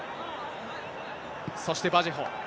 そしてバジェホ。